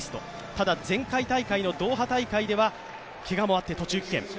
ただ前回大会のドーハ大会ではけがもあって途中棄権。